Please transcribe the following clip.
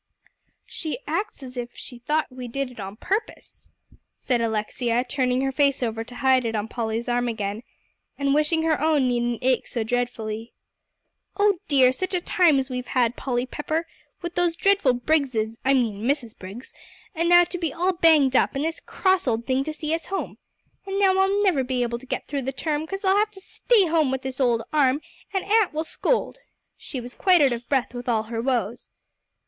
"She acts as if she thought we did it on purpose," said Alexia, turning her face over to hide it on Polly's arm again, and wishing her own needn't ache so dreadfully. "Oh dear! such a time as we've had, Polly Pepper, with those dreadful Briggses, I mean Mrs. Briggs, and now to be all banged up, and this cross old thing to see us home! And now I never'll be able to get through the term, 'cause I'll have to stay at home with this old arm, and aunt will scold." She was quite out of breath with all her woes.